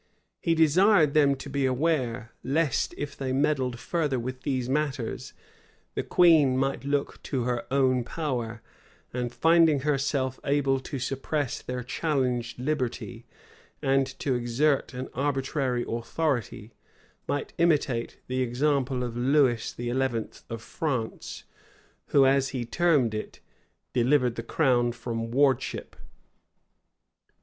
He desired them to beware, lest if they meddled further with these matters, the queen might look to her own power; and finding herself able to suppress their challenged liberty, and to exert an arbitrary authority, might imitate the example of Lewis XI. of France, who, as he termed it, delivered the crown from wardship.